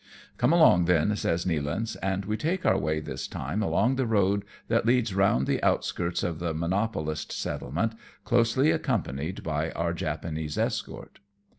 " Come along, then," says Nealance, and we take our way this time along the road that leads round the out skirts of the monopolist settlement, closely accom panied by our Japanese escort.